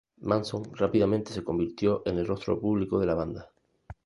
Manson rápidamente se convirtió en el rostro público de la banda.